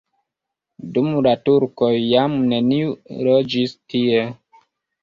Dum la turkoj jam neniu loĝis tie.